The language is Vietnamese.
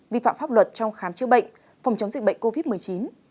vi phạm pháp luật trong khám chữa bệnh phòng chống dịch bệnh covid một mươi chín